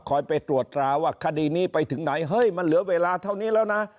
ไปตรวจตราว่าคดีนี้ไปถึงไหนเฮ้ยมันเหลือเวลาเท่านี้แล้วนะ